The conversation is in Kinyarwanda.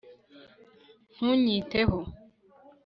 ntunyiteho